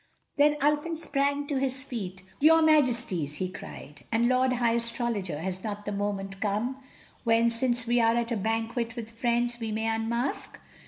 Then Ulfin sprang to his feet. "Your Majesties," he cried, "and Lord High Astrologer, has not the moment come when, since we are at a banquet with friends, we may unmask?"